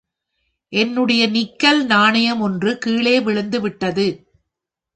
என்னுடைய நிக்கல் நாணயம் ஒன்று கீழே விழுந்து விட்டது.